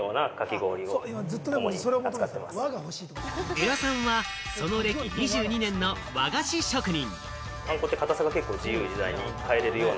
江良さんはその歴２２年の和菓子職人。